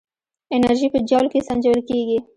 انرژي په جول کې سنجول کېږي.